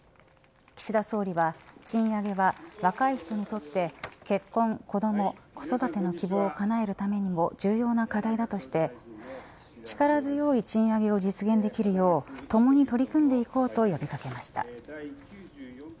岸田総理は賃上げが若い人にとって結婚、子ども、子育ての希望をかなえるためにも重要な課題だとして力強い賃上げを実現できるよう共に取り組んでいこうと呼び掛けました。